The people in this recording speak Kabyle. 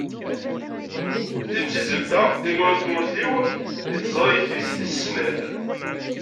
Timsizzelt-a “Imura n tmurt-iw” deg teẓrigt-is tis snat.